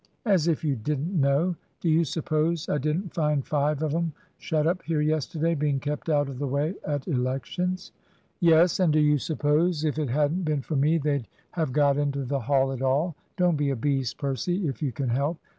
"As if you didn't know! Do you suppose I didn't find five of 'em shut up here yesterday, being kept out of the way at Elections?" "Yes; and do you suppose if it hadn't been for me they'd have got into the Hall at all? Don't be a beast, Percy, if you can help.